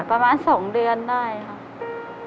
ประมาณ๒เดือนได้ค่ะ